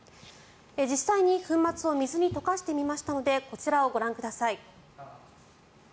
実際に粉末を水に溶かしてみましたのでこちらをご覧ください。